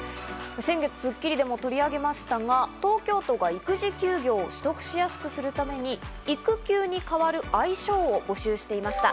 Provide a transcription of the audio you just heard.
先月『スッキリ』でも取り上げましたが、東京都が育児休業取得しやすくするために育休に代わる愛称を募集していました。